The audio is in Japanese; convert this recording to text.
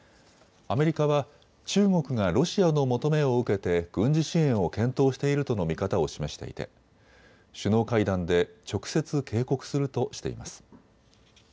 アメリカは中国がロシアの求めを受けて軍事支援を検討しているとの見方を示していて首脳会談で直接、警告するとしています。